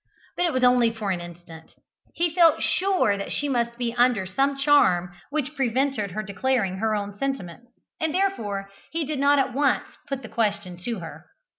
But it was only for an instant. He felt sure that she must be under some charm which prevented her declaring her own sentiments, and therefore he did not at once put the question to her.